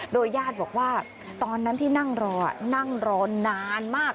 โดยญาติบอกว่าตอนนั้นที่นั่งรอนั่งรอนานมาก